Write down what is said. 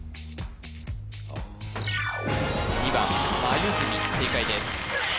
２番まゆずみ正解です